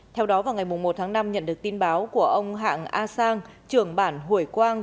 theo đó vào ngày một tháng năm nhận được tin báo của ông hạng a sang trưởng bản hủy quang